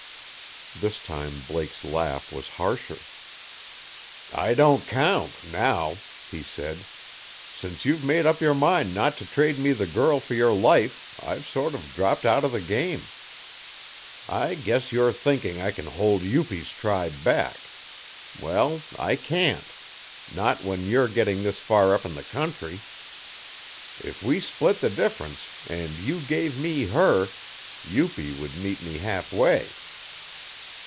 This time Blake's laugh was harsher. "I don't count now," he said. "Since you've made up your mind not to trade me the girl for your life I've sort of dropped out of the game. I guess you're thinking I can hold Upi's tribe back. Well, I can't not when you're getting this far up in their country. If we split the difference, and you gave me HER, Upi would meet me half way.